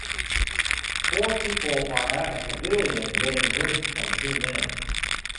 Four people are at a pavilion getting drinks from two men.